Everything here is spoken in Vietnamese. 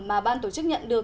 mà ban tổ chức nhận được